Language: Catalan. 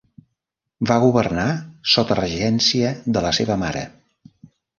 Va governar sota regència de la seva mare.